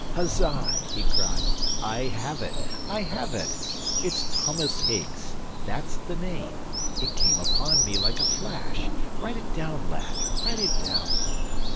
"Huzza!" he cried. "I have it! I have it! It's Thomas Higgs. That's the name! It came upon me like a flash. Write it down, lad, write it down!"